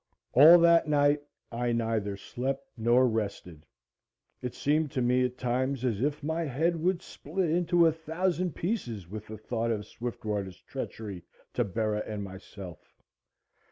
All that night I neither slept nor rested. It seemed to me at times as if my head would split into a thousand pieces with the thought of Swiftwater's treachery to Bera and myself.